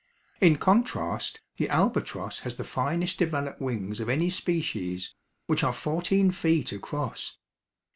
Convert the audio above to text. In contrast the albatross has the finest developed wings of any species which are fourteen feet across.